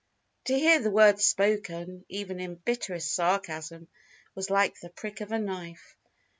To hear the words spoken, even in bitterest sarcasm, was like the prick of a knife.